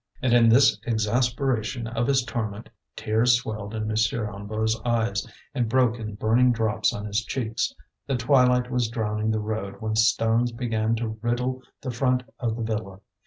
And in this exasperation of his torment, tears swelled in M. Hennebeau's eyes, and broke in burning drops on his cheeks. The twilight was drowning the road when stones began to riddle the front of the villa.